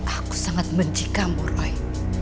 aku sangat mencikamu roy